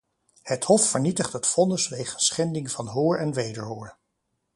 Het hof vernietigt het vonnis wegens schending van hoor en wederhoor.